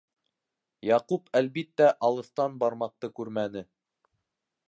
Яҡуп, әлбиттә, алыҫтан бармаҡты күрмәне.